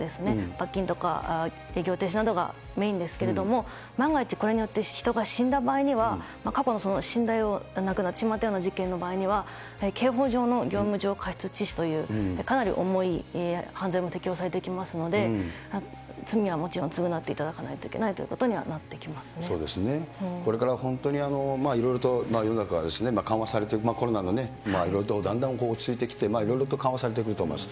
罰金とか営業停止などがメインですけれども、万が一、これによって人が死んだ場合には、過去の亡くなってしまったような事件の場合には刑法上の業務上過失致死という、かなり重い犯罪も適用されてきますので、罪はもちろん償っていただかないといけないということにはなってそうですね、これから本当にいろいろと世の中がですね、緩和されていく、コロナが今はいろいろとだんだん落ち着いてきて、いろいろと緩和されてくると思います。